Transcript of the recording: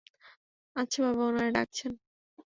আচ্ছা বাবা, ওনারা ডাকছেন।